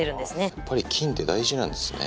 やっぱり菌って大事なんですね。